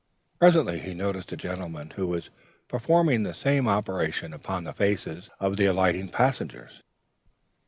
Presently he noticed a gentleman who was performing the same operation upon the faces of the alighting passengers.